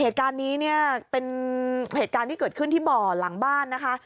เหตุการณ์นี้เนี่ยเป็นเหตุการณ์ที่เกิดขึ้นที่บ่อหลังบ้านนะคะ